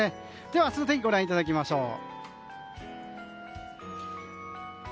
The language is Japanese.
では、明日の天気をご覧いただきましょう。